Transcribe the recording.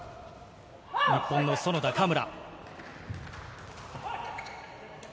日本の園田・嘉村。